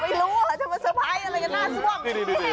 ไม่รู้จะมาเตอร์ไพรส์อะไรกันหน้าซ่วม